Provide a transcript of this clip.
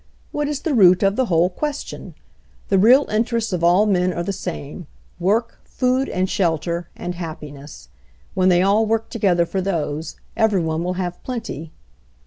"What is the root of the whole question ? The real interests of all men are the same — work, food and shelter, and happiness. When they all work together for those, every one will have plenty.